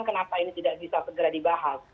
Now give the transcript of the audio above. kenapa ini tidak bisa segera dibahas